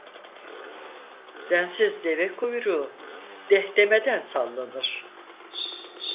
Densiz deve kuyruğu, "deh!" demeden sallanır.